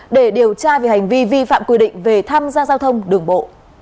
để điều tra về hành vi vi phạm quy định về tham gia giao thông đường bộ